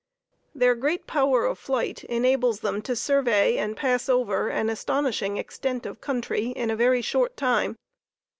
Their great power of flight enables them to survey and pass over an astonishing extent of country in a very short time.